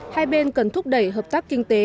hai bên cần thúc đẩy hợp tác kinh tế